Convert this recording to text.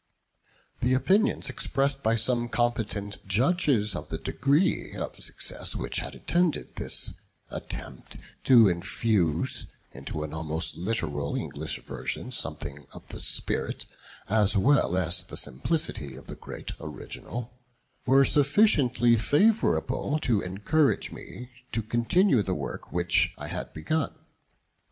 The opinions expressed by some competent judges of the degree of success which had attended this "attempt to infuse into an almost literal English version something of the spirit, as well as the simplicity, of the great original," [Footnote: Introduction to unpublished volume.] were sufficiently favourable to encourage me to continue the work which I had begun.